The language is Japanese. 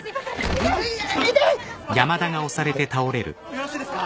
よろしいですか？